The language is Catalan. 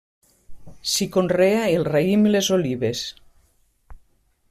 S'hi conrea el raïm i les olives.